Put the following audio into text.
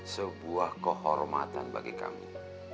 sebuah kehormatan bagi kami